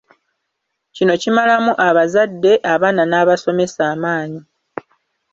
Kino kimalamu abazadde, abaana n'abasomesa amaanyi.